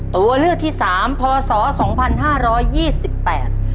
ตัวเลือกที่สามพศสองพันห้าร้อยยี่สิบแปด